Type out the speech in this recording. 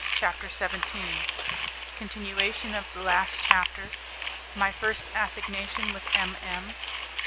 CHAPTER XVII Continuation of the Last Chapter My First Assignation With M. M.